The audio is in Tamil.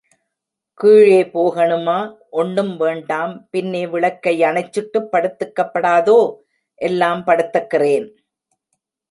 கீழே போகனுமா? ஒண்ணும் வேண்டாம். பின்னே விளக்கை அணைச்சுட்டுப் படுத்துக்கப்படாதோ? எல்லாம் படுத்துக்கறேன்.